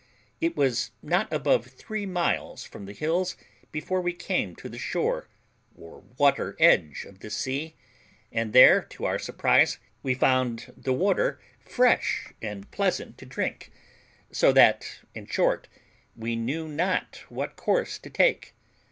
It was not above three miles from the hills before we came to the shore, or water edge of this sea, and there, to our further surprise, we found the water fresh and pleasant to drink; so that, in short, we knew not what course to take.